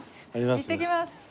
いってきます。